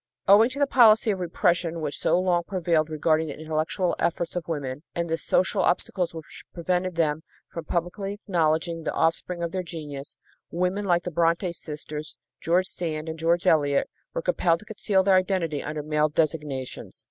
Owing to the policy of repression which so long prevailed regarding the intellectual efforts of women, and the social obstacles which prevented them from publicly acknowledging the offspring of their genius, women like the Brontë sisters, George Sand and George Eliot were compelled to conceal their identity under male designations.